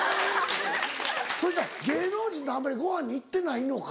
そしたら芸能人とあんまりご飯に行ってないのか。